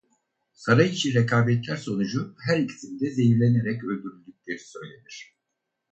Saray içi rekabetler sonucu her ikisinin de zehirlenerek öldürüldükleri söylenir.